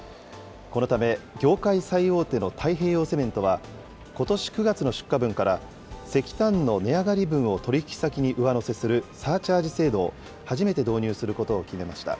このため業界最大手の太平洋セメントは、ことし９月の出荷分から、石炭の値上がり分を取り引き先に上乗せする、サーチャージ制度を初めて導入することを決めました。